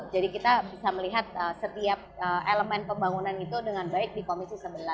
jadi kita bisa melihat setiap elemen pembangunan itu dengan baik di komisi sebelas